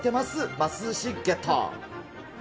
ますずしゲット。